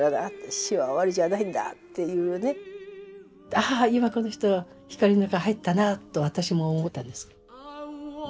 ああ今この人は光の中へ入ったなと私も思ったんです。